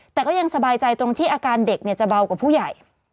แต่ก็ยังสบายใจตรงที่อาการเด็กจะเบากว่าผู้ใหญ่